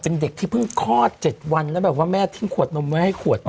เป็นเด็กที่เพิ่งคลอด๗วันแล้วแบบว่าแม่ทิ้งขวดนมไว้ให้ขวด